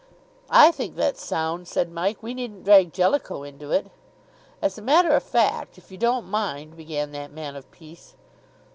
"I think that's sound," said Mike. "We needn't drag Jellicoe into it." "As a matter of fact if you don't mind " began that man of peace.